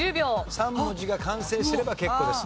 ３文字が完成すれば結構です。